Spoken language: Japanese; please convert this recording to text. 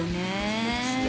そうですね